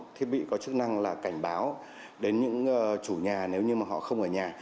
thiết bị có chức năng là cảnh báo đến những chủ nhà nếu như mà họ không ở nhà